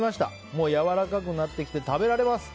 もうやわらかくなってきて食べられます。